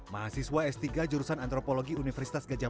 mahasiswa s tiga jurusan antropologi universitas gajah